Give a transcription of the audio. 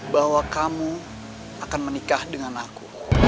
bahwa kamu akan menikah dengan aku